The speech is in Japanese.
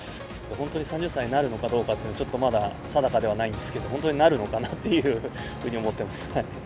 本当に３０歳になるのかどうかっていうの、ちょっと、まだ定かではないんですけど、本当になるのかなっていうふうに思ってます。